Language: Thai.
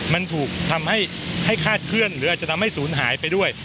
มันถูกทำให้คาดเคลื่อนหรืออาจจะทำให้ศูนย์หายไปด้วย